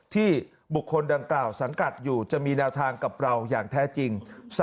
ที่บุคคลดังกล่าวสังกัดอยู่จะมีแนวทางกับเราอย่างแท้จริง